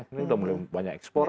ini sudah mulai banyak ekspor